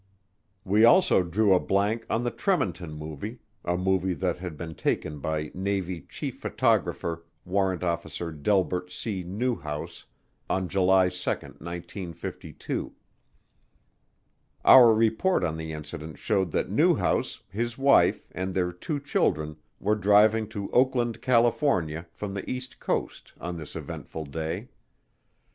We also drew a blank on the Tremonton Movie, a movie that had been taken by a Navy Chief Photographer, Warrant Officer Delbert C. Newhouse, on July 2, 1952. Our report on the incident showed that Newhouse, his wife, and their two children were driving to Oakland, California, from the east coast on this eventful day.